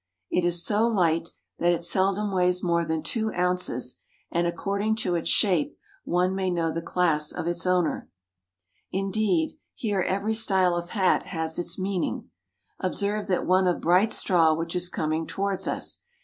It is so light that it seldom weighs more than two ounces, and according to its shape one may know the class of its owner. Indeed, here every style of hat has its meaning. THE HERMIT NATION 97 He wishes to appear humble." Observe that one of bright straw which is coming towards us.